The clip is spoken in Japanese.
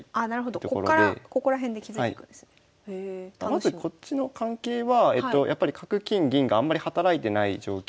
まずこっちの関係は角金銀があんまり働いてない状況で。